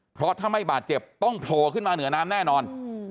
เพราะถ้าไม่บาดเจ็บต้องโผล่ขึ้นมาเหนือน้ำแน่นอน